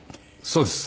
そうです。